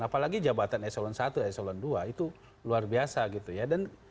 apalagi jabatan eselon i eselon dua itu luar biasa gitu ya